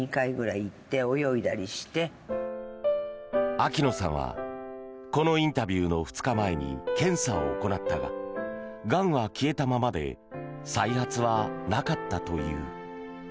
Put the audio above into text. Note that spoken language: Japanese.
秋野さんはこのインタビューの２日前に検査を行ったががんは消えたままで再発はなかったという。